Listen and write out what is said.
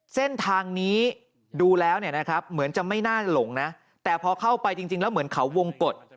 เส้นทางนี้ดูแล้วเนี่ยนะครับเหมือนจะไม่น่าหลงนะแต่พอเข้าไปจริงแล้วเหมือนเขาวงกฎ